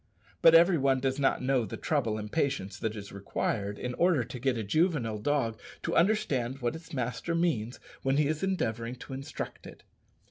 But every one does not know the trouble and patience that is required in order to get a juvenile dog to understand what its master means when he is endeavouring to instruct it.